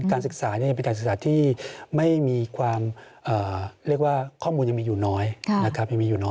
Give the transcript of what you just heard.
การศึกษาเนี่ยเป็นการศึกษาที่ไม่มีความเรียกว่าข้อมูลยังมีอยู่น้อยนะครับ